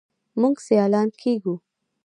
موږ سیالان کیږو.